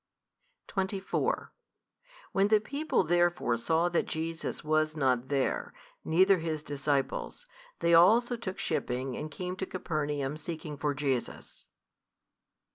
24 When the people therefore saw that Jesus was not there neither His disciples, they also took shipping and came to Capernaum seeking for Jesus.